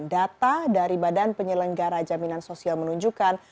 data dari badan penyelenggara jaminan sosial menunjukkan